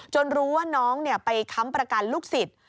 จนรู้ว่าน้องเนี่ยไปค้ำประกันลูกสิทธิ์